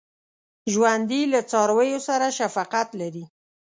ژوندي له څارویو سره شفقت لري